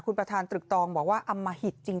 คุณประธานตรึกตองบอกว่าอมหิตจริง